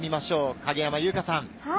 影山優佳さん。